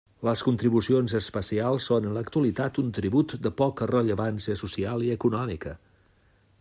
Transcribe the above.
Les contribucions especials són en l'actualitat un tribut de poca rellevància social i econòmica.